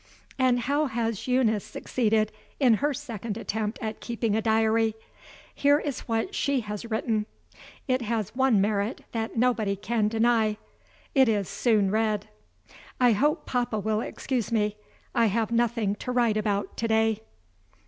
....... And how has Eunice succeeded in her second attempt at keeping a diary? Here is what she has written. It has one merit that nobody can deny it is soon read: "I hope papa will excuse me; I have nothing to write about to day."